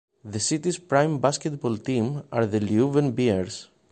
The city's prime basketball team are the Leuven Bears.